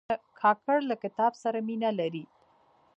کاکړ له کتاب سره مینه لري.